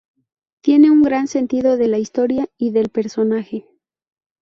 Tiene un gran sentido de la historia y del personaje".